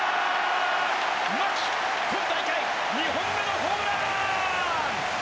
牧、今大会２本目のホームラン！